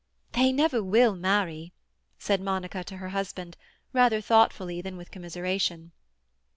"They never will marry!" said Monica to her husband, rather thoughtfully than with commiseration.